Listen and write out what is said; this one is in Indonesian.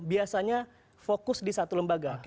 biasanya fokus di satu lembaga